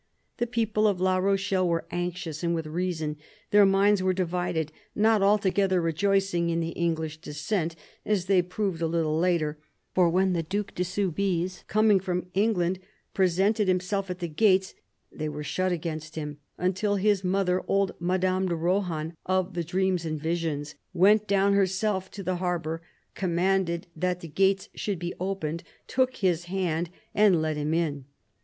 The people of La Rochelle were anxious, and with reason. Their minds were divided, not altogether rejoicing in the English descent, as they proved a little later — for when the Due de Soubise, coming from England, presented himself at the gates, they were shut against him until his mother, old Madame de Rohan of the dreams and visions, went down herself to the harbour, commanded that the gates should be opened, took his hand and led him in.